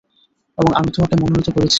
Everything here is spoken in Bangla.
এবং আমি তোমাকে মনোনীত করেছি।